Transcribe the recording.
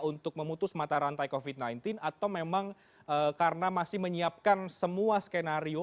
untuk memutus mata rantai covid sembilan belas atau memang karena masih menyiapkan semua skenario